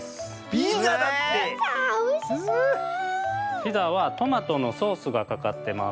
ピザはトマトのソースがかかってます。